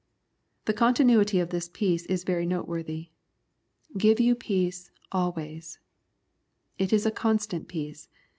The continuity of this peace is very note worthy —" Give you peace alzvaysJ^^ It is a constant peace.